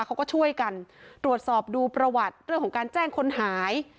เขาก็ช่วยกันตรวจสอบดูประวัติเรื่องของการแจ้งคนหาย